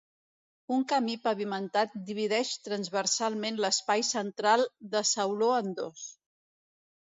Un camí pavimentat divideix transversalment l’espai central de sauló en dos.